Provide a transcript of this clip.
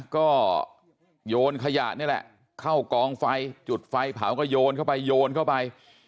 ก็โยนขยะนี่แหละเข้ากองไฟจุดไฟเผาก็โยนเข้าไปโยนเข้าไป